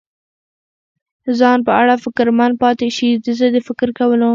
ځان په اړه فکرمند پاتې شي، زه د فکر کولو.